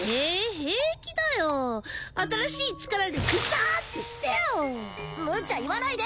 平気だよ新しい力でグシャーってしてよムチャ言わないで！